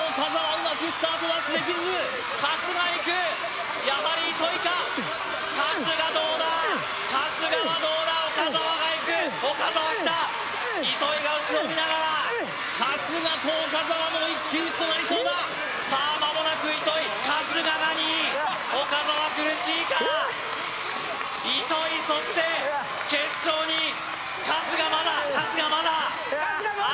うまくスタートダッシュできず春日いくやはり糸井か春日どうだ春日はどうだ岡澤がいく岡澤きた糸井が後ろを見ながら春日と岡澤の一騎打ちとなりそうださあまもなく糸井春日が２位岡澤苦しいかうっ糸井そして決勝に春日まだ春日まだ・春日もうちょい！